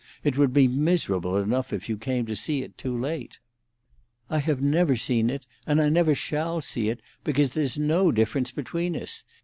It would be miserable enough if you came to see it too late." "I have never seen it, and I never shall see it, because there's no such difference between us.